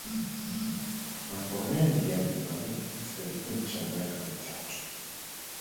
mambo mengi yamefanyika katika kipindi cha miaka mitatu